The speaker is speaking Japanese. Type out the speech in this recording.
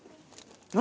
何？